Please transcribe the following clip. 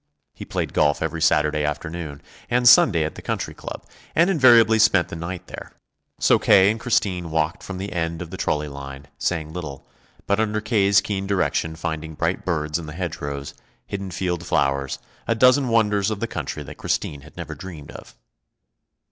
He played golf every Saturday afternoon and Sunday at the Country Club, and invariably spent the night there. So K. and Christine walked from the end of the trolley line, saying little, but under K.'s keen direction finding bright birds in the hedgerows, hidden field flowers, a dozen wonders of the country that Christine had never dreamed of.